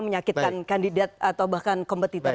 menyakitkan kandidat atau bahkan kompetitor